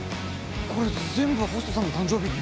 これ全部ホストさんの誕生日に？